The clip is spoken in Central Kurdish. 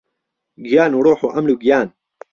گیان و ڕووح و عەمر و گیان